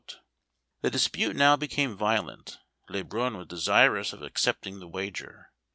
The dispute now became violent: Le Brun was desirous of accepting the wager.